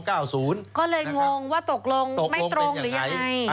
ก็เลยงงว่าตกลงไม่ตรงหรือยังไง